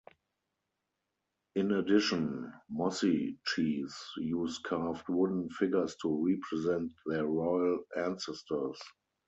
In addition, Mossi chiefs use carved wooden figures to represent their royal ancestors.